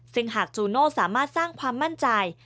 ซึ่งหากจูโน่สามารถสร้างความมั่นใจ